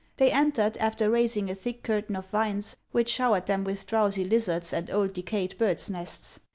They entered, after raising a thick curtain of vines, which showered them with drowsy lizards and old decayed bird's uests.